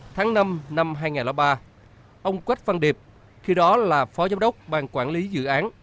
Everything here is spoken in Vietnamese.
tháng năm năm hai nghìn ba ông quách văn điệp khi đó là phó giám đốc ban quản lý dự án